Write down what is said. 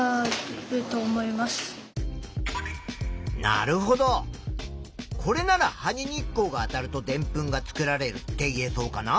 なるほどこれなら「葉に日光があたるとでんぷんが作られる」って言えそうかな？